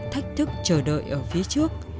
thách thức chờ đợi ở phía trước